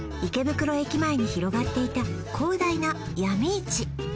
池袋駅前に広がっていた広大な闇市